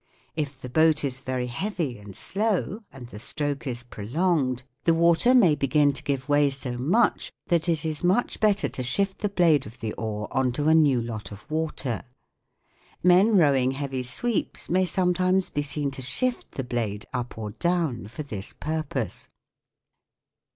If the boat is very heavy and slow, and the stroke is prolonged, the water may begin to give way so much that it is much better to shift the blade of the oar on to a new lot of water. Men rowing heavy sweeps may sometimes be seen to shift the blade up or down for this purpose.